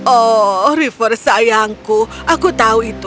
oh river sayangku aku tahu itu